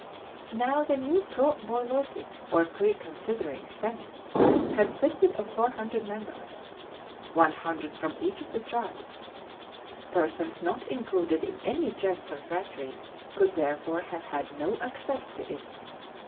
Now the new pro bouleutic, or pre considering, senate consisted of four hundred members, one hundred from each of the tribes: persons not included in any gens or phratry could therefore have had no access to it.